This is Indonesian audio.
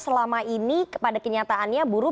selama ini pada kenyataannya buruh